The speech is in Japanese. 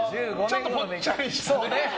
ちょっとぽっちゃりしてね。